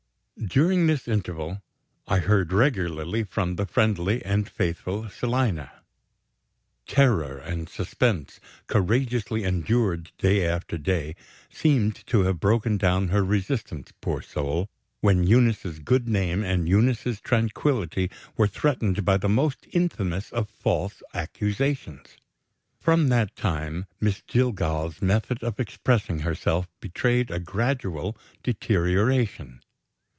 During this interval, I heard regularly from the friendly and faithful Selina. Terror and suspense, courageously endured day after day, seem to have broken down her resistance, poor soul, when Eunice's good name and Eunice's tranquillity were threatened by the most infamous of false accusations. From that time, Miss Jillgall's method of expressing herself betrayed a gradual deterioration.